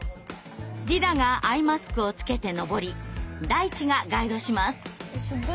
リラがアイマスクをつけて登りダイチがガイドします。